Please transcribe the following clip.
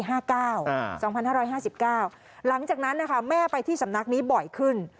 หลังจากนั้นนะคะแม่ไปที่สำนักนี้บ่อยขึ้น